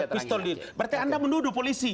berarti anda menuduh polisi